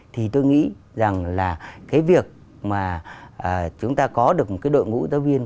thì tôi nghĩ rằng là cái việc mà chúng ta có được một cái đội ngũ giáo viên